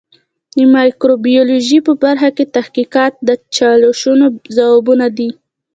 د مایکروبیولوژي په برخه کې تحقیقات د چالشونو ځوابونه دي.